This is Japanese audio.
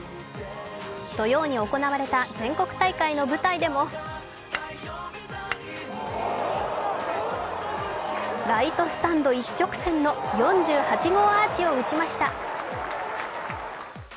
土曜に行われた全国大会の舞台でもライトスタンド一直線の４８号アーチを打ち込みました。